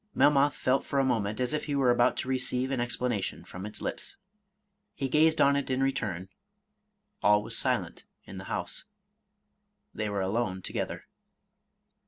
Melmoth felt for a moment as if he were about to receive an explanation from its lips. He gazed on it in return, — all was silent in the house, — they were alone together.